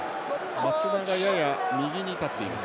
松田がやや右に立っています。